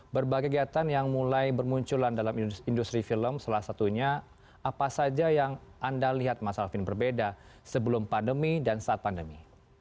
berbagai kegiatan yang mulai bermunculan dalam industri film salah satunya apa saja yang anda lihat mas alvin berbeda sebelum pandemi dan saat pandemi